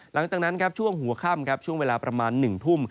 หลังจากนั้นครับช่วงหัวค่ำครับช่วงเวลาประมาณ๑ทุ่ม